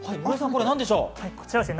これは何でしょう？